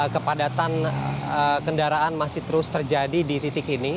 kepadatan kendaraan masih terus terjadi di titik ini